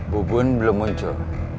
bubun belum muncul